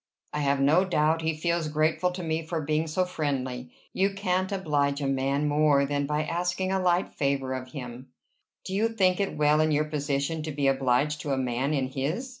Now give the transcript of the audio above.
"I have no doubt he feels grateful to me for being so friendly. You can't oblige a man more than by asking a light favor of him." "Do you think it well in your position to be obliged to a man in his?"